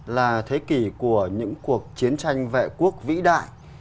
là thế kỷ của những cuộc chiến tranh vệ quốc vĩ đại